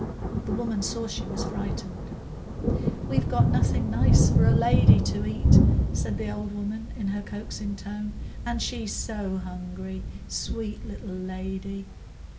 The women saw she was frightened. "We've got nothing nice for a lady to eat," said the old woman, in her coaxing tone. "And she's so hungry, sweet little lady."